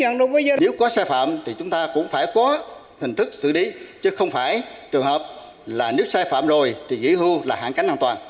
nếu có sai phạm thì chúng ta cũng phải có hình thức xử lý chứ không phải trường hợp là nếu sai phạm rồi thì dĩ hưu là hạn cánh an toàn